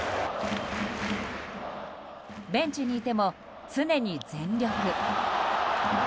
ベンチにいても、常に全力。